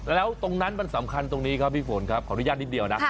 แล้วตรงนั้นมันสำคัญตรงนี้ครับพี่ฝนครับขออนุญาตนิดเดียวนะ